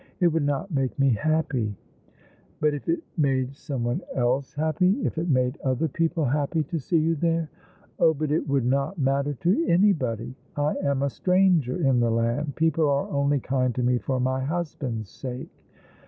It would not make me happy." " But if it made some one else happy — if it made other people happy to see you there ?"" Oh, but it would not matter to anybody ! I am a stranger in the land. People are only kind to me for my husband's sake."